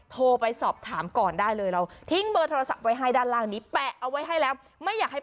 โทรไปสอบถามก่อนได้เลย